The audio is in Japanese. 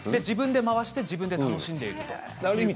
自分で回して自分で楽しんでるんです。